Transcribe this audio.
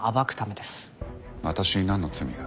私になんの罪が？